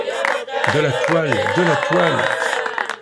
De la toile ! de la toile !